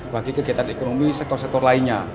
bagi kegiatan ekonomi sektor sektor lainnya